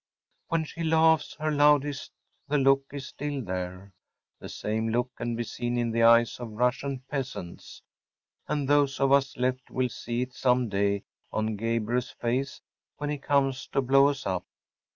When she laughs her loudest the look is still there. The same look can be seen in the eyes of Russian peasants; and those of us left will see it some day on Gabriel’s face when he comes to blow us up.